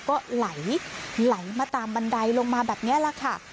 ก็ไหลมาตามบันไดลงมาแบบนี้แหละค่ะ